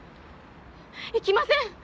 行きません